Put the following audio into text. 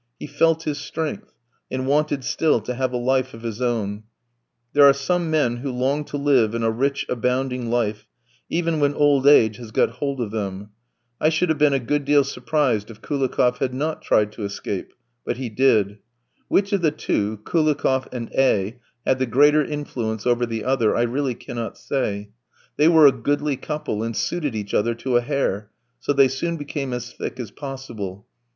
He felt his strength, and wanted still to have a life of his own; there are some men who long to live in a rich, abounding life, even when old age has got hold of them. I should have been a good deal surprised if Koulikoff had not tried to escape; but he did. Which of the two, Koulikoff and A v, had the greater influence over the other I really cannot say; they were a goodly couple, and suited each other to a hair, so they soon became as thick as possible.